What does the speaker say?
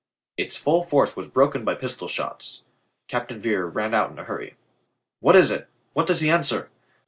Its full force was broken by pistol shots. Captain Vere ran out in a hurry. "What is it? What does he answer?